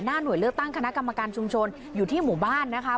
หน่วยเลือกตั้งคณะกรรมการชุมชนอยู่ที่หมู่บ้านนะคะ